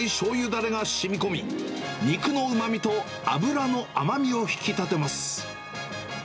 だれがしみこみ、肉のうまみと脂の甘みを引き立てます。